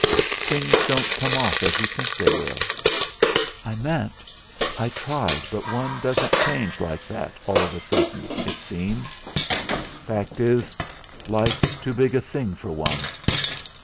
Things don't come off as you think they will. I meant, I tried but one doesn't change like that all of a sudden, it seems. Fact is, life's too big a thing for one!